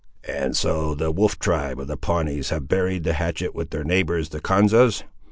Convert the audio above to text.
"And so the Wolf tribe of the Pawnees have buried the hatchet with their neighbours, the Konzas?"